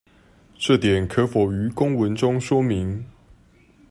這點可否於公文中說明